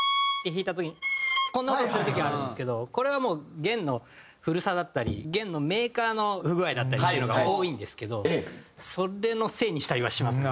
こんな音する時があるんですけどこれはもう弦の古さだったり弦のメーカーの不具合だったりっていうのが多いんですけどそれのせいにしたりはしますね。